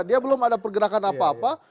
dia belum ada pergerakan apa apa